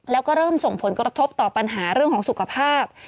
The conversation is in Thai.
แล้วก็เริ่มส่งผลกระทบต่อปัญหาเรื่องของสุขภาพ